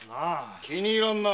気に入らんな！